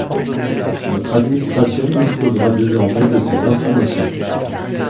Notre administration disposera désormais de ces informations.